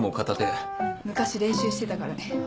昔練習してたからね。